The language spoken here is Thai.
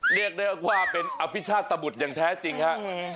เรียกได้ว่าเป็นอภิชาตบุตรอย่างแท้จริงฮะ